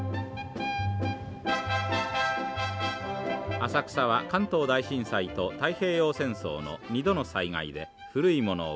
浅草は関東大震災と太平洋戦争の二度の災害で古いものを失いました。